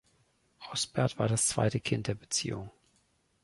Osbert war das zweite Kind der Beziehung.